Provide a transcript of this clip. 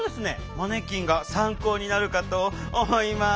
マネキンが参考になるかと思います！？